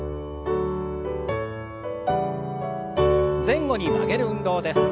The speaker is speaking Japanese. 前後に曲げる運動です。